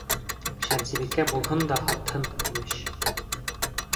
Шәмсебикә булһын да һатһын, имеш!